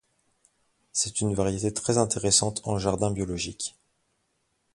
C'est une variété très intéressante en jardin biologique.